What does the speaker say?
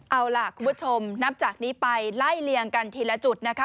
เอาล่ะคุณผู้ชมนับจากนี้ไปไล่เลี่ยงกันทีละจุดนะคะ